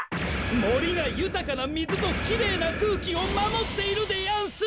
もりがゆたかなみずときれいなくうきをまもっているでやんす！